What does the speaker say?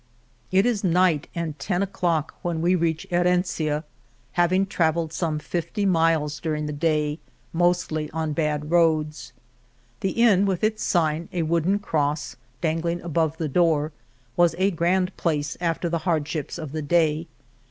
It is night and ten o'clock, when we reach Herencia, having travelled some fifty miles during the day, mostly on bad roads. The inn with its sign, a wooden cross, dangling above the door, was a grand place after the hardships of the day.